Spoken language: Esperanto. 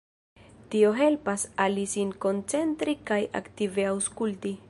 Tio helpas al li sin koncentri kaj aktive aŭskulti.